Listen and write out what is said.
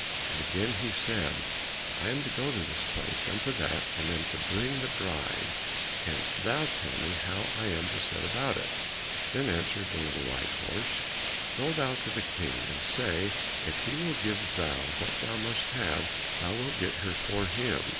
And again, he said, "I am to go to this place and to that, and am to bring the bride; canst thou tell me how I am to set about it?" Then answered the little white horse, "Go thou to the King, and say if he will give thou what thou must have, thou wilt get her for him.